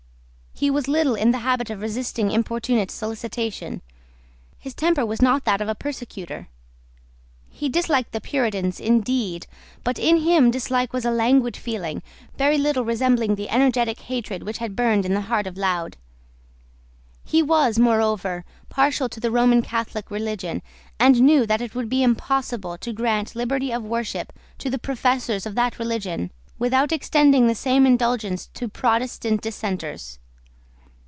He was little in the habit of resisting importunate solicitation. His temper was not that of a persecutor. He disliked the Puritans indeed; but in him dislike was a languid feeling, very little resembling the energetic hatred which had burned in the heart of Laud. He was, moreover, partial to the Roman Catholic religion; and he knew that it would be impossible to grant liberty of worship to the professors of that religion without extending the same indulgence to Protestant dissenters.